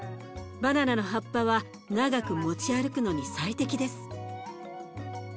バナナの葉っぱは長く持ち歩くのに最適です。